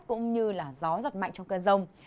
cũng như là gió giật mạnh trong cơn rông